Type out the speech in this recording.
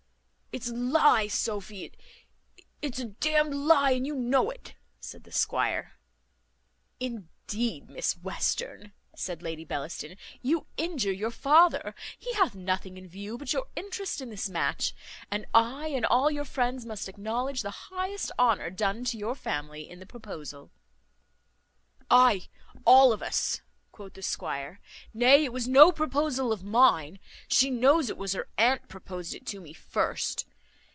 "It's a lye, Sophy; it's a d n'd lye, and you know it," said the squire. "Indeed, Miss Western," said Lady Bellaston, "you injure your father; he hath nothing in view but your interest in this match; and I and all your friends must acknowledge the highest honour done to your family in the proposal." "Ay, all of us," quoth the squire; "nay, it was no proposal of mine. She knows it was her aunt proposed it to me first.